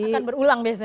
akan berulang biasanya